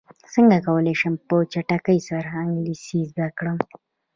څنګه کولی شم په چټکۍ سره انګلیسي زده کړم